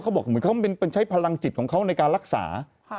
จะมีความติดของเขาในการรักษา